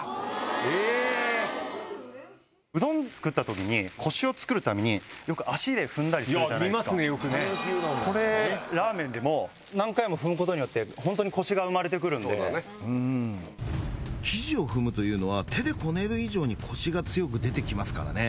え⁉うどん作った時にコシを作るためによく足で踏んだりするじゃないですかいや見ますねよくねこれラーメンでも何回も踏むことによってホントにコシが生まれてくるので生地を踏むというのは手でこねる以上にコシが強く出てきますからね